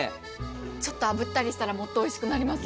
ちょっとあぶったりしたら、もっとおいしくなりますよ。